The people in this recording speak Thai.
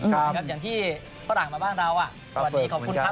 อย่างที่ฝรั่งมาบ้านเราสวัสดีขอบคุณครับ